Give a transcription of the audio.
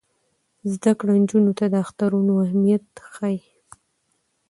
زده کړه نجونو ته د اخترونو اهمیت ښيي.